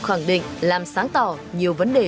khẳng định làm sáng tỏ nhiều vấn đề